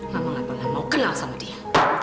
mama gak pernah mau kenal sama dia